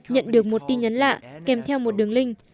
nhận được một tin nhắn lạ kèm theo một đường link